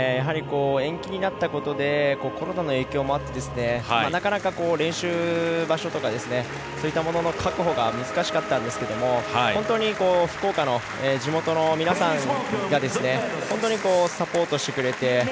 延期になったことでコロナの影響もあってなかなか、練習場所とかそういったものの確保が難しかったんですけども本当に福岡の地元の皆さんが本当にサポートしてくれて。